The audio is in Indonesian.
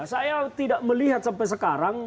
saya tidak melihat sampai sekarang